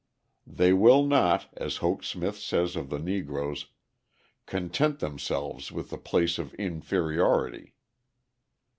They will not, as Hoke Smith says of the Negroes, "content themselves with the place of inferiority."